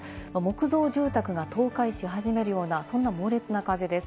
木造住宅が倒壊し始めるような、そんな猛烈な風です。